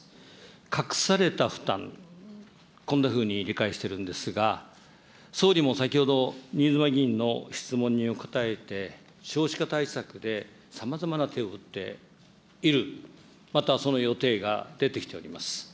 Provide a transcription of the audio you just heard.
隠された負担、こんなふうに理解しているんですが、総理も先ほど、新妻議員の質問に答えて、少子化対策でさまざまな手を打っている、またその予定が出てきております。